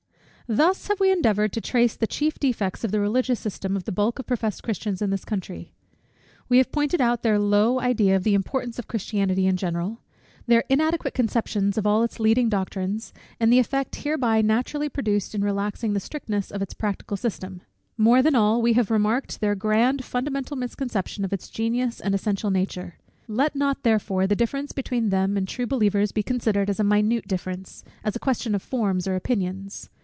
_ Thus have we endeavoured to trace the chief defects of the religious system of the bulk of professed Christians in this country. We have pointed out their low idea of the importance of Christianity in general; their inadequate conceptions of all its leading doctrines, and the effect hereby naturally produced in relaxing the strictness of its practical system; more than all, we have remarked their grand fundamental misconception of its genius and essential nature. Let not therefore the difference between them and true believers be considered as a minute difference; as a question of forms or opinions.